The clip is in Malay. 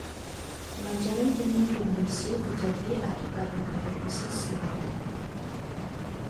Banjaran gunung di Malaysia terjadi akibat daripada proses lipatan.